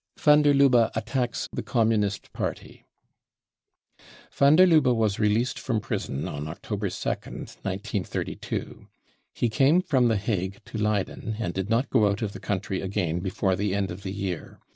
Van der Lubbe attacks the Communist Party. Van der Lubbe wfis released from prison on October 2nd, 1932. He ' came from the Hague to Leyden, and did not go out of the country again before the end of the year.